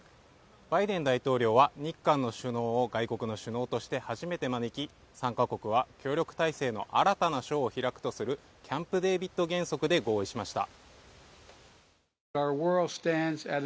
バイデン大統領は日韓の首脳を外国の首脳として初めて招き３か国は協力体制の新たな章を開くとするキャンプ・デービッド原則で合意しました。